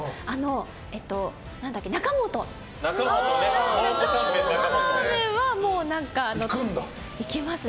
中本のラーメンは行きますね。